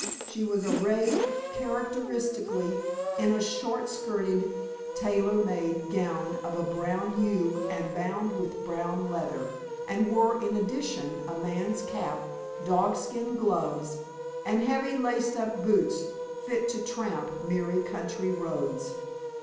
She was arrayed characteristically in a short skirted, tailor made gown of a brown hue and bound with brown leather, and wore in addition a man's cap, dog skin gloves, and heavy laced up boots fit to tramp miry country roads.